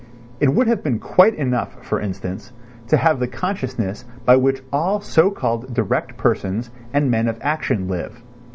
It would have been quite enough, for instance, to have the consciousness by which all so called direct persons and men of action live.